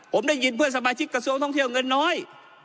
ผมได้ยินเพื่อนสมาชิกกระทรวงท่องเที่ยวเงินน้อย